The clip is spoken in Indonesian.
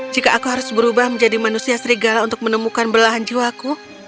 jika aku harus berubah menjadi manusia serigala untuk menemukan belahan jiwaku